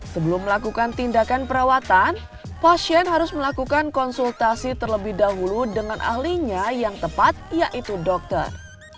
sebelum melakukan tindakan perawatan pasien harus melakukan konsultasi terlebih dahulu dengan ahlinya yang tepat yaitu dokter